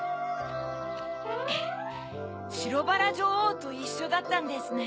しろバラじょおうといっしょだったんですね。